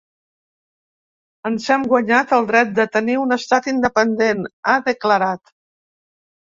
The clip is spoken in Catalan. Ens hem guanyat el dret de tenir un estat independent, ha declarat.